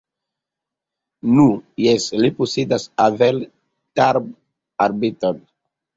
Nu, jes, li posedas aveletarbareton.